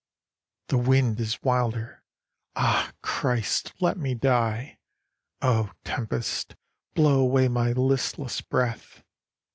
" The wind is wilder. Ah, Christ, let me die ! Oh, Tempest, blow away my listless breath